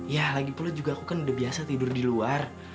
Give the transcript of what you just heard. ya lagi pula juga aku kan udah biasa tidur di luar